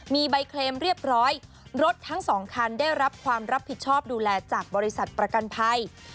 มีใบเคลมเรียบร้อยรถทั้งสองคันได้รับความรับผิดชอบดูแลจากบริษัทประกันภัย